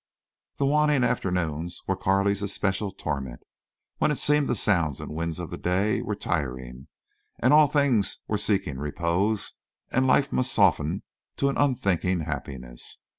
The waning afternoons were Carley's especial torment, when it seemed the sounds and winds of the day were tiring, and all things were seeking repose, and life must soften to an unthinking happiness.